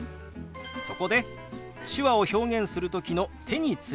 そこで手話を表現する時の手についてです。